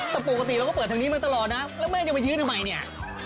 แต่ปกติเราก็เปิดทางนี้มาตลอดนะแล้วแม่จะไปยื้อทำไมเนี่ย